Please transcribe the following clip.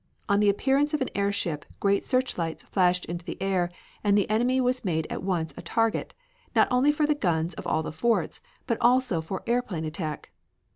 On the appearance of an airship great searchlights flashed into the air and the enemy was made at once a target, not only for the guns of all the forts, but also for airplane attack.